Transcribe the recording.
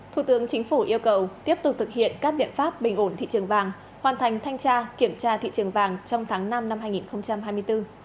thủ tướng chính phủ yêu cầu tiếp tục thực hiện các biện pháp bình ổn thị trường vàng hoàn thành thanh tra kiểm tra thị trường vàng trong tháng năm năm hai nghìn hai mươi bốn